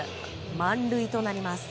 満塁となります。